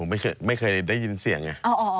ไม่เคยได้ยินเสียงไง